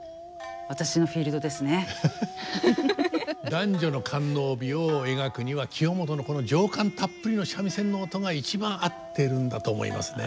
男女の官能美を描くには清元のこの情感たっぷりの三味線の音が一番合ってるんだと思いますね。